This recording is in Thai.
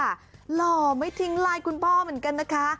หล่อไม่ทิ้งไลน์คุณพ่อเหมือนกันนะคะ